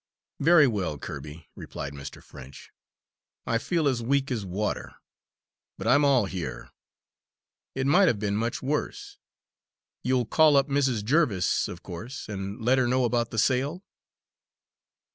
"Very well, Kirby," replied Mr. French, "I feel as weak as water, but I'm all here. It might have been much worse. You'll call up Mrs. Jerviss, of course, and let her know about the sale?"